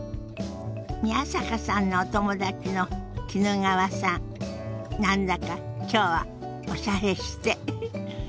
宮坂さんのお友達の衣川さん何だか今日はおしゃれしてフフッ。